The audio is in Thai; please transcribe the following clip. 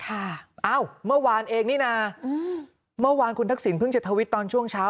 อ้าวเมื่อวานเองนี่น่ะอืมเมื่อวานคุณทักษิณเพิ่งจะทวิตตอนช่วงเช้า